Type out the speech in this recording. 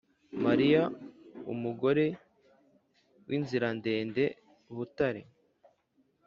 mariya umugore w’inzirandende, butare